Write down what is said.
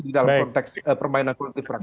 di dalam konteks permainan kualitas praktis